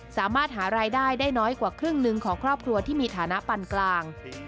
สามารถหารายได้ได้น้อยกว่าครึ่งหนึ่งของครอบครัวที่มีฐานะปันกลาง